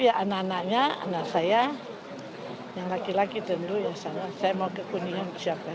ya anak anaknya anak saya yang laki laki tentu yang sana saya mau ke kuningan siapkan saya